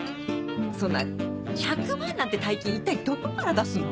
そんな１００万なんて大金一体どこから出すの？